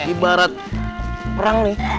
ibarat perang nih